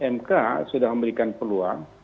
mk sudah memberikan peluang